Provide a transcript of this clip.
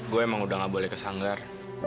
gue emang udah gak boleh ke sanggar